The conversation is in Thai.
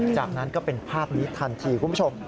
จากนั้นก็เป็นภาพนี้ทันทีคุณผู้ชม